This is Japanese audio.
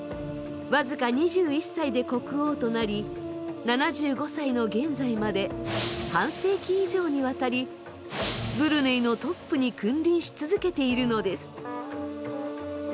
僅か２１歳で国王となり７５歳の現在まで半世紀以上にわたりブルネイのトップに君臨し続けているのです。